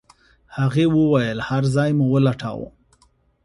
هغې وويل هر ځای مو ولټاوه.